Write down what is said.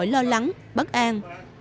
lắng bất an